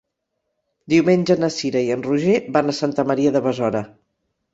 Diumenge na Cira i en Roger van a Santa Maria de Besora.